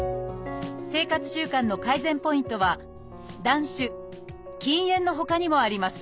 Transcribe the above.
生活習慣の改善ポイントは「断酒」「禁煙」のほかにもあります。